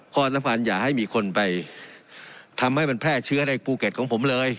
สำคัญอย่าให้มีคนไปทำให้มันแพร่เชื้อในภูเก็ตของผมเลย